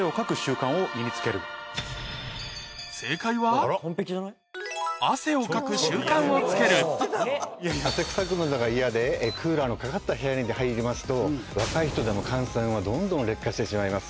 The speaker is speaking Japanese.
ここで岡義堂君に汗臭くなるのが嫌でクーラーのかかった部屋に入りますと若い人でも汗腺はどんどん劣化してしまいます。